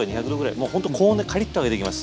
もうほんと高温でカリッと揚げていきます。